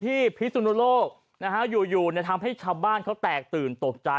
พิสุนโลกนะฮะอยู่ทำให้ชาวบ้านเขาแตกตื่นตกใจ